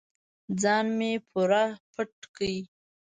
ځان مې پوره پټ کړ.